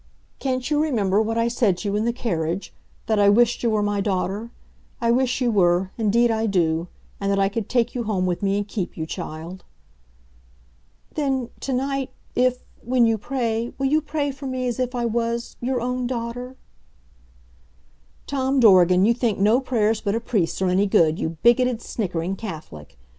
"Can't you remember what I said to you in the carriage that I wished you were my daughter. I wish you were, indeed I do, and that I could take you home with me and keep you, child." "Then to night if when you pray will you pray for me as if I was your own daughter?" Tom Dorgan, you think no prayers but a priest's are any good, you bigoted, snickering Catholic!